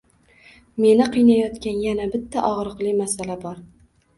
Meni qiynayotgan yana bitta og`riqli masala bor